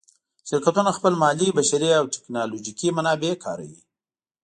شرکتونه خپل مالي، بشري او تکنالوجیکي منابع کاروي.